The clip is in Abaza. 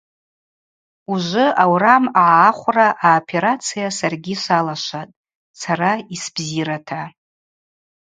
Ужвы аурам агӏахвра аоперация саргьи салашватӏ, сара йсбзирата.